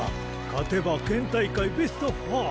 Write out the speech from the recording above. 勝てば県大会ベスト４。